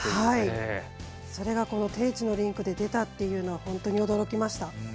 それが、低地のリンクで出たというのは本当に驚きました。